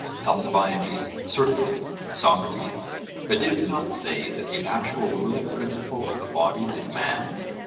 ALCIBIADES: Certainly. SOCRATES: But did we not say that the actual ruling principle of the body is man?